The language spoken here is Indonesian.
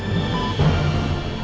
ya allah papa